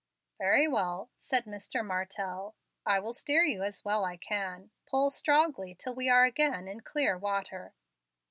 "Very well," said Mr. Martell, "I will steer you as well as I can. Pull strongly till we are again in clear water."